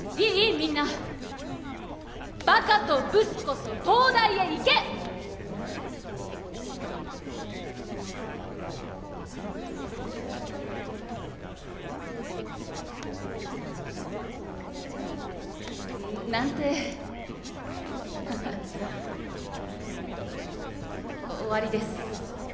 みんなバカとブスこそ東大へ行け！なんてハハッ終わりです